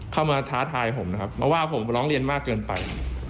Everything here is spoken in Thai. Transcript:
ท้าทายผมนะครับเพราะว่าผมร้องเรียนมากเกินไป